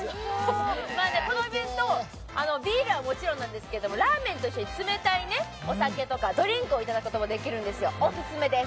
このイベント、ビールはもちろんなんですけど、ラーメンと一緒に冷たいね、お酒とかドリンクをいただくこともできるんですよ、おすすめです。